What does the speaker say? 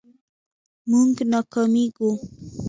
مونږ ناکامیږو